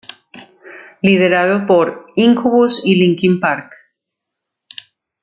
Liderado por: Incubus y Linkin Park.